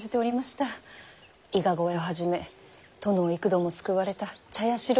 伊賀越えをはじめ殿を幾度も救われた茶屋四郎